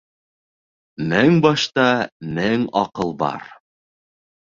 Мең башта мең аҡыл бар.